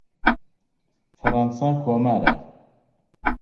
فەرەنسا کۆمارە.